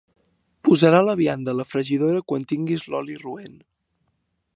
Posarà la vianda a la fregidora quan tinguis l'oli roent.